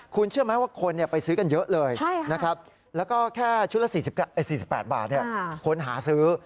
คุณเชื่อไหมว่าคนไปซื้อกันเยอะเลยนะครับแล้วก็แค่ชุดละ๔๘บาทคนหาซื้อ